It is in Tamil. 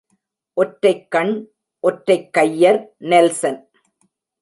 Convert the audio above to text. ஒற்றைக் கண், ஒற்றைக் கையர் நெல்சன்.